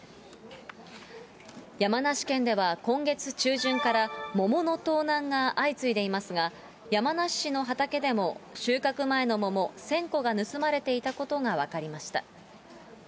山梨県では今月中旬から、桃の盗難が相次いでいますが、山梨市の畑でも、収穫前の桃１０００個が盗まれていたことが分かりました。